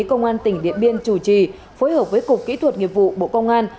công an tỉnh điện biên chủ trì phối hợp với cục kỹ thuật nghiệp vụ bộ công an